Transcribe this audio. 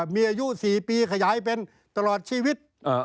จากที่มีอายุสี่ปีขยายเป็นตลอดชีวิต